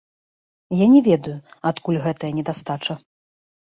Я не ведаю, адкуль гэтая недастача.